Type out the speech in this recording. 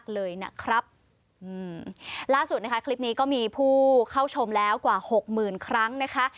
ล่าสุดคลิปนี้ก็มีผู้เข้าชมแล้วกว่า๖หมื่นครั้งนะคะ